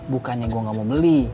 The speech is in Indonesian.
bukannya gue gak mau beli